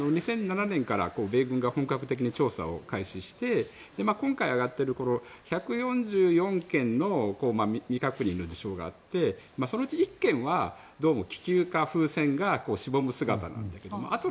２００７年から米軍が本格的に調査を開始して今回上がっている１４４件の未確認の事象があってそのうち１件はどうも気球か風船がしぼむ姿だということ。